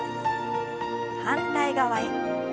反対側へ。